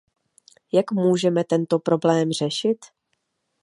Jak můžeme tento problém řešit?